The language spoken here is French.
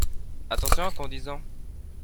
Attention en conduisant.